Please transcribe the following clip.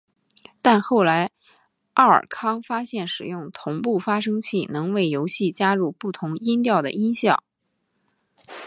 但后来奥尔康发现使用同步发生器能为游戏加入不同音调的音效。